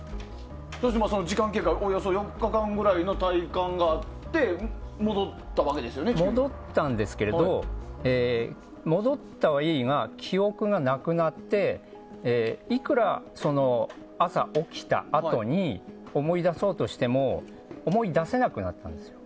時間経過およそ４日間ぐらいの体感があって戻ったんですけど戻ったはいいが記憶がなくなっていくら朝起きたあとに思い出そうとしても思い出せなくなったんですよ。